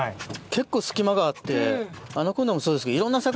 結構隙間があってアナコンダもそうですけど。